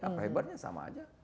apa hebatnya sama aja